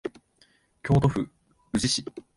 京都府宇治市